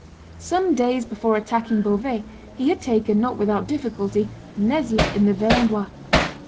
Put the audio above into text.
Some days before attacking Beauvais, he had taken, not without difficulty, Nesle in the Vermandois.